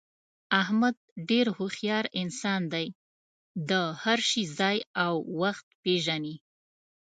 احمد ډېر هوښیار انسان دی، د هر شي ځای او وخت پېژني.